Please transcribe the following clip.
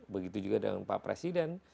begitu juga dengan pak presiden